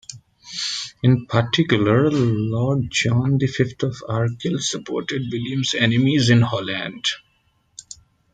In particular, Lord John the Fifth of Arkel supported William's enemies in Holland.